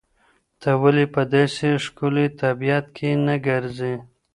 ته ولې په داسې ښکلي طبیعت کې نه ګرځې؟